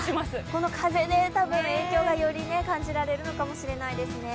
この風で多分、影響がより感じられるのかもしれないですね。